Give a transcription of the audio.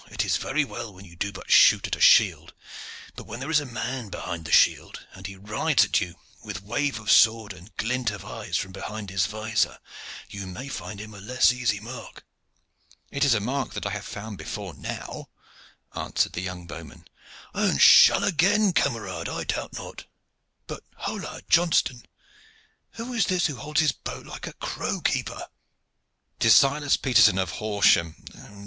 it is very well when you do but shoot at a shield, but when there is a man behind the shield, and he rides at you with wave of sword and glint of eyes from behind his vizor, you may find him a less easy mark." "It is a mark that I have found before now," answered the young bowman. "And shall again, camarade, I doubt not. But hola! Johnston, who is this who holds his bow like a crow keeper?" "It is Silas Peterson, of Horsham.